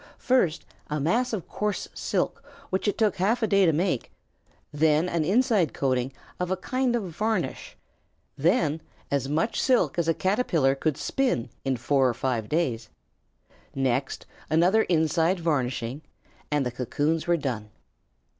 First a mass of coarse silk which it took half a day to make, then an inside coating of a kind of varnish, then as much silk as a Caterpillar could spin in four or five days, next another inside varnishing, and the cocoons were done.